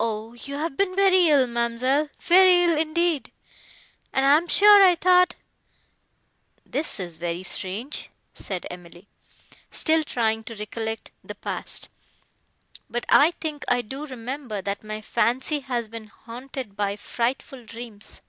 "O you have been very ill, ma'amselle,—very ill indeed! and I am sure I thought—" "This is very strange!" said Emily, still trying to recollect the past.—"But I think I do remember, that my fancy has been haunted by frightful dreams.